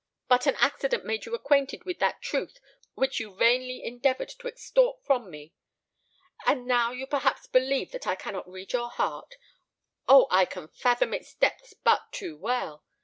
But an accident made you acquainted with that truth which you vainly endeavoured to extort from me! And now you perhaps believe that I cannot read your heart. Oh! I can fathom its depths but too well.